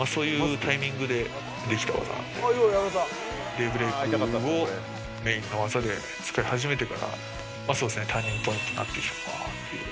デイブレイクをメインの技で使い始めてからターニングポイントになってきたかなっていう。